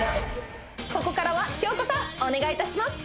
ここからは京子さんお願いいたします